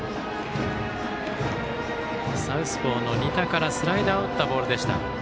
サウスポーの仁田からスライダーを打ったボールでした。